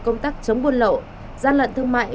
công tác chống buôn lậu gian lận thương mại